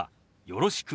「よろしく」。